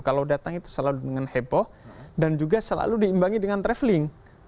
kalau datang itu selalu dengan heboh dan juga selalu diimbangi dengan traveling